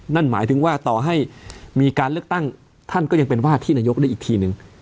นั่นหมายถึงว่าต่อให้มีการเลือกตั้งท่านก็ยังเป็นว่าที่นายกได้อีกทีหนึ่ง